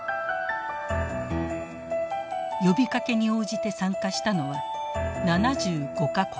呼びかけに応じて参加したのは７５か国。